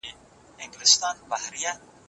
تر دې ځایه پوري نه سو موږ راتللای